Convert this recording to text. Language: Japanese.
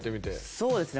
そうですね。